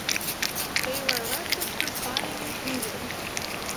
They were arrested for spying and treason.